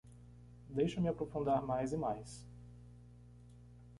Deixa eu me aprofundar mais e mais